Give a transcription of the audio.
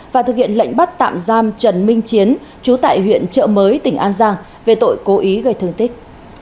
và thực hiện lệnh bắt tạm giam trần minh chiến chú tại huyện trợ mới tỉnh an giang về tội cố ý gây thương tích